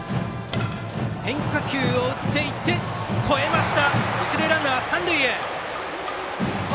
変化球を打っていって越えました！